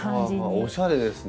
おしゃれですね。